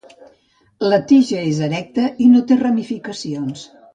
La tija és erecta i no té ramificacions.